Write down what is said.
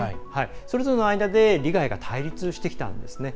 それぞれの間で利害が対立してきたんですね。